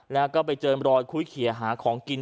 แล้วก็ไปเจอรอยคุ้ยเขียหาของกิน